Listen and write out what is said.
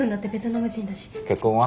結婚は？